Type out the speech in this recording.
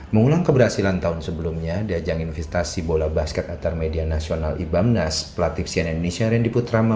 mengulang keberhasilan tahun sebelumnya diajang investasi bola basket intermedia nasional ibangnas pelatih siena indonesia rendy putrama